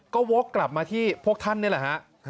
ก็วกกลับมาที่พวกท่านนี่แหละฮะ